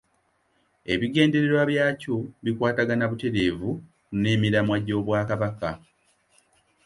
Ebigendererwa byakyo bikwatagana butereevu n’emiramwa gy’Obwakabaka.